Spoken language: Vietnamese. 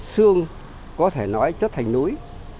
xương có thể nói chất thành núi